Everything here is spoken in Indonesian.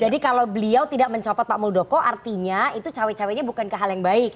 jadi kalau beliau tidak mencopot pak muldoko artinya itu cawe cawe ini bukan ke hal yang baik